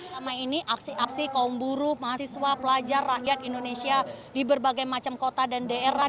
selama ini aksi aksi kaum buruh mahasiswa pelajar rakyat indonesia di berbagai macam kota dan daerah